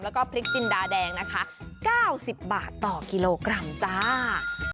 แล้วก็พริกจินดาแดงนะคะ๙๐บาทต่อกิโลกรัมจ้า